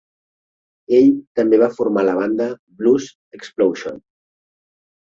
Ell també va formar la banda Blues Explosion.